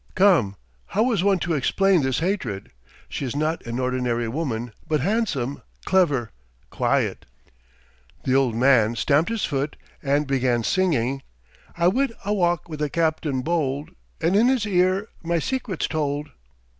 Come, how is one to explain this hatred? She is not an ordinary woman, but handsome, clever, quiet." The old man stamped his foot and began singing: "I went a walk with a captain bold, And in his ear my secrets told."